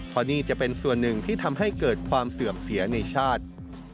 เพราะนี่จะเป็นส่วนหนึ่งที่ทำให้เกิดความเสื่อมเสียในชาติ